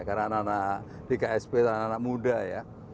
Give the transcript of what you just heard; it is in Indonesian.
karena anak anak di ksp adalah anak muda ya